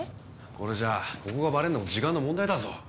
これじゃあここがバレるのも時間の問題だぞ。